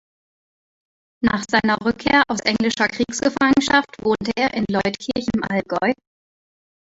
Nach seiner Rückkehr aus englischer Kriegsgefangenschaft wohnte er in Leutkirch im Allgäu.